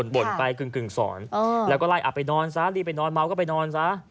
บ่นไปกึ่งสอนแล้วก็ไล่ไปนอนซะรีบไปนอนเมาก็ไปนอนซะ